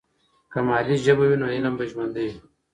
که مادي ژبه وي، نو علم به ژوندۍ وي.